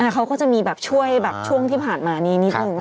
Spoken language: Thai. เขาก็จะมีแบบช่วยแบบช่วงที่ผ่านมานี้นิดนึง